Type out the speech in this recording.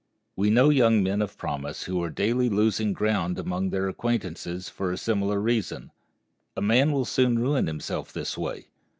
We know young men of promise who are daily losing ground among their acquaintances for a similar reason. A man will soon ruin himself this way.